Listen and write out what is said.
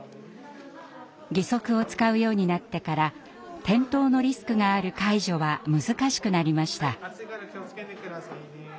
義足を使うようになってから転倒のリスクがある介助は難しくなりました。